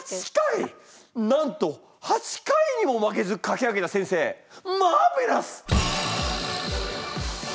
なんと８回にも負けず書き上げた先生マーベラス！